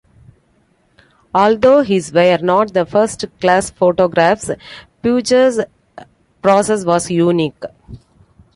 Although his were not the first glass photographs, Pucher's process was unique.